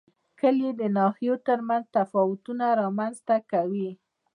کلي د ناحیو ترمنځ تفاوتونه رامنځ ته کوي.